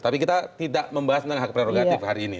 tapi kita tidak membahas tentang hak prerogatif hari ini